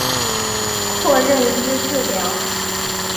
括认知治疗。